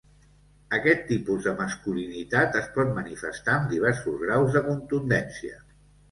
Aquest tipus de masculinitat es pot manifestar amb diversos graus de contundència.